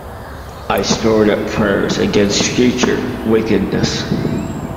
I stored up prayers against future wickedness.